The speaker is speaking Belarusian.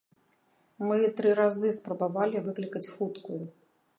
Мы тры разы спрабавалі выклікаць хуткую.